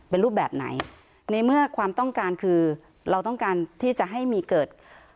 เป็นรูปแบบไหนในเมื่อความต้องการคือเราต้องการที่จะให้มีเกิด